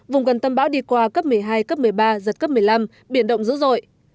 vùng gần tâm bão đi qua cấp một mươi hai cấp một mươi ba giật cấp một mươi năm biển động dữ dội